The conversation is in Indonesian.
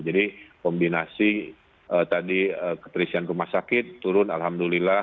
jadi kombinasi tadi keterisian rumah sakit turun alhamdulillah